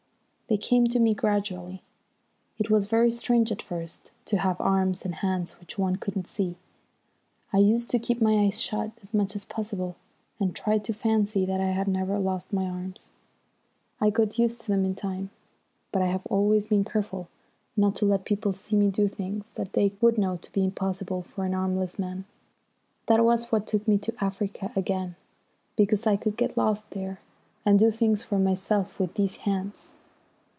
"They came to me gradually. It was very strange at first to have arms and hands which one couldn't see. I used to keep my eyes shut as much as possible, and try to fancy that I had never lost my arms. "I got used to them in time. But I have always been careful not to let people see me do things that they would know to be impossible for an armless man. That was what took me to Africa again, because I could get lost there and do things for myself with these hands."